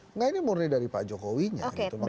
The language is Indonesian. enggak ini murni dari pak jokowinya gitu